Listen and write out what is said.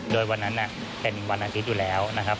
โดยวันนั้นเป็นวันอาทิตย์อยู่แล้วนะครับ